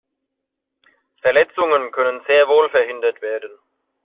Verletzungen können sehr wohl verhindert werden.